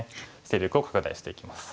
勢力を拡大していきます。